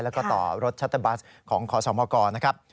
แล้วก็ต่อรถชัตเตอร์บัสของขอสมกนะครับ